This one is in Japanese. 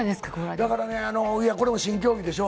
だからね、これも新競技でしょ。